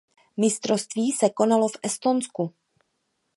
Mistrovství se konalo v Estonsku.